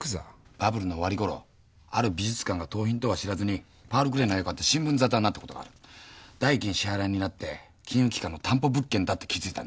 バブルの終わりごろある美術館が盗品とは知らずにパウル・クレーの絵を買って新聞ざたになったことがある代金支払いになって金融機関の担保物件だって気づいたんだよ。